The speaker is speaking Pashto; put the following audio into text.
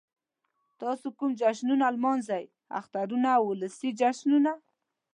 تاسو کوم جشنونه نمانځئ؟ اخترونه او ولسی جشنونه